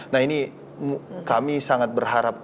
nah ini kami sangat berharap